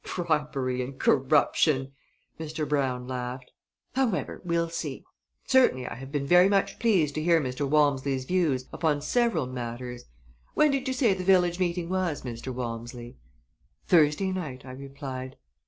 "Bribery and corruption!" Mr. Brown laughed. "However, we'll see. Certainly I have been very much pleased to hear Mr. Walmsley's views upon several matters. When did you say the village meeting was, Mr. Walmsley?" "Thursday night," I replied.